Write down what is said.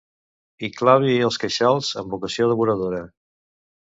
Hi clavi els queixals amb vocació devoradora.